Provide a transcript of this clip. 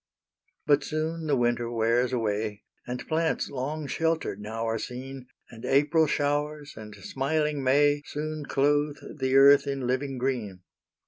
But soon the winter wears away, And plants long sheltered now are seen, And April showers and smiling May Soon clothe the earth in living green.